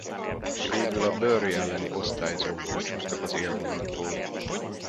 Végül a Bury elleni osztályozón búcsúztak az élvonaltól.